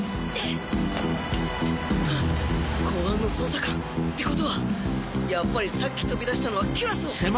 公安の捜査官。ってことはやっぱりさっき飛び出したのはキュラソー。